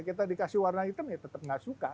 kita dikasih warna hitam ya tetep gak suka